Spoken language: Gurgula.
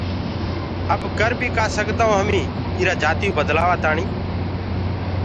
اب ڪر بيٚ ڪآ سگدآئونٚ هميٚنٚ ايٚرآ جاتيٚئو بدلآوآتآڻيٚ